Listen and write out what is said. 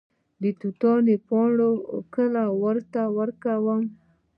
د توتانو پاڼې کله ورته ورکړم؟